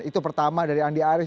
itu pertama dari andi arief